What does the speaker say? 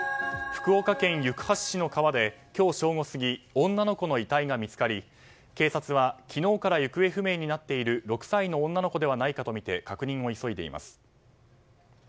福岡県行橋市の川で今日正午過ぎ女の子の遺体が見つかり警察は昨日から行方不明になっている６歳の女の子ではないかとみて確認を急いでいます。